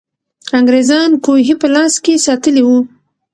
انګریزان کوهي په لاس کې ساتلې وو.